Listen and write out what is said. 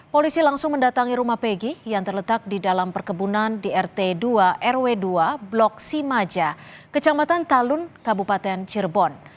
polisi langsung mendatangi rumah pegi yang terletak di dalam perkebunan di rt dua rw dua blok simaja kecamatan talun kabupaten cirebon